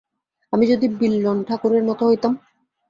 আমি যদি বিল্বন ঠাকুরের মতো হইতাম!